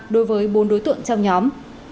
đối với bốn đối tượng trong nhóm